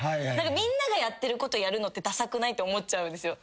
みんながやってることやるのってださくない？って思っちゃうんですよ。